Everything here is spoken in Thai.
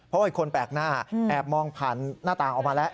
เพราะว่าคนแปลกหน้าแอบมองผ่านหน้าต่างออกมาแล้ว